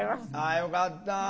あよかった。